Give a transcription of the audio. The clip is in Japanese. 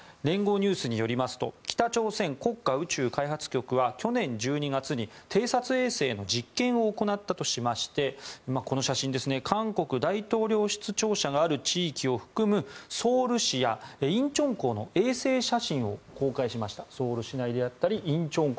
ニュースによりますと北朝鮮国家宇宙開発局は去年１２月に偵察衛星の実験を行ったとしましてこの写真、韓国大統領室庁舎がある地域を含むソウル市やインチョン港の衛星写真を公開しました。